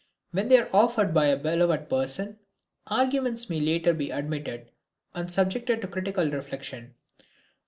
When they are offered by a beloved person, arguments may later be admitted and subjected to critical reflection.